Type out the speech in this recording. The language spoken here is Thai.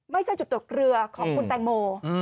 ไม่ใช่จุดตกเรือของคุณแตงโม